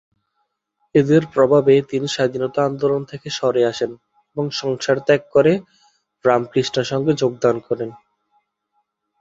এঁদের প্রভাবে তিনি স্বাধীনতা আন্দোলন থেকে সরে আসেন এবং সংসার ত্যাগ করে রামকৃষ্ণ সংঘে যোগদান করেন।